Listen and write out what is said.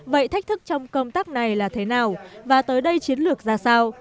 vậy thách thức trong công tác này là thế nào và tới đây chiến lược ra sao